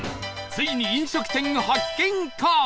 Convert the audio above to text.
ついに飲食店発見か？